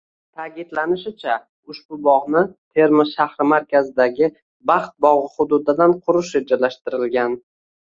Ta’kidlanishicha, ushbu bog‘ni Termiz shahri markazidagi Baxt bog‘i hududidan qurish rejalashtirilgan